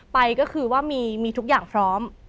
ไปก็คือว่ามีทุกอย่างพร้อม